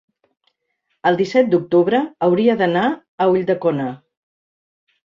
el disset d'octubre hauria d'anar a Ulldecona.